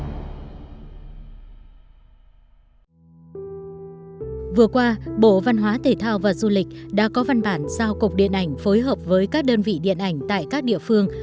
vừa qua bộ văn hóa thể thao và du lịch đã có văn bản giao cục điện ảnh phối hợp với các đơn vị điện ảnh tại các địa phương